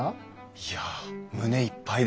いや胸いっぱいです。